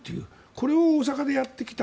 これを大阪でやってきた。